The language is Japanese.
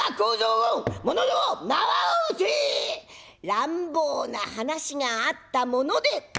乱暴な話があったもので。